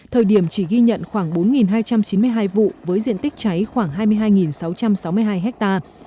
thời điểm chỉ ghi nhận khoảng bốn hai trăm chín mươi hai vụ với diện tích cháy khoảng hai mươi hai sáu trăm sáu mươi hai hectare